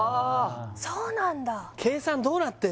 そうなんだ